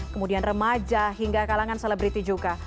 kemudian remaja hingga kalangan selebriti juga